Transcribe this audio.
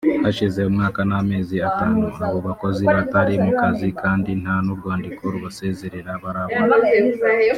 Hashize umwaka n’amezi atanu abo bakozi batari mu kazi kandi nta n’urwandiko rubasezerera barabona